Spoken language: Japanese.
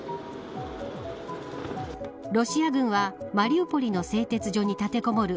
ロシア軍はマリウポリの製鉄所に立てこもる